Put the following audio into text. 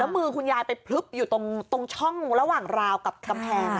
แล้วมือคุณยายไปอยู่ตรงตรงช่องระหว่างราวกับกำแพง